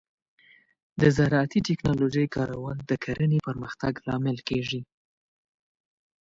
د زراعتي ټیکنالوجۍ کارول د کرنې پرمختګ لامل کیږي.